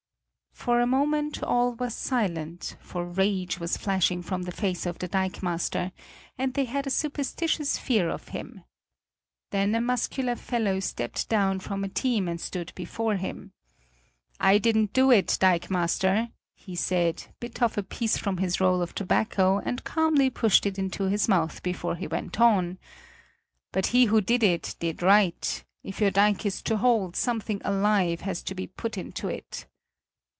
For a moment all was silent, for rage was flashing from the face of the dikemaster, and they had a superstitious fear of him. Then a muscular fellow stepped down from a team and stood before him. "I didn't do it, dikemaster," he said, bit off a piece from his roll of tobacco, and calmly pushed it into his mouth before he went on, "but he who did it, did right; if your dike is to hold, something alive has to be put into it!"